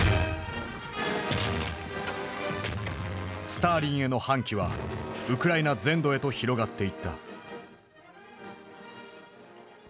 スターリンへの反旗はウクライナ全土へと広がっていった。